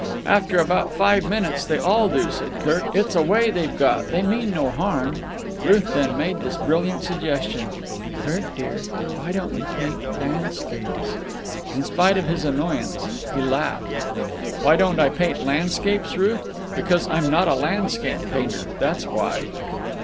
"After about five minutes they all do," said Kirk. "It's a way they've got. They mean no harm." Ruth then made this brilliant suggestion: "Kirk, dear, why don't you paint landscapes?" In spite of his annoyance, he laughed. "Why don't I paint landscapes, Ruth? Because I'm not a landscape painter, that's why."